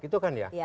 gitu kan ya